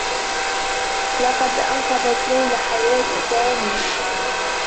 لقد أنقذت ليلى حياة سامي.